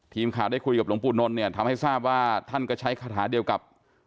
ทีมข่าวได้คุยกับหลวงปู่นนท์เนี่ยทำให้ทราบว่าท่านก็ใช้คาถาเดียวกับ